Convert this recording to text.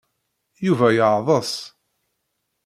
Yuba yeɛḍes.